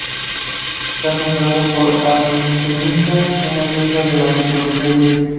Está nombrado por Artemisa, una diosa de la mitología griega.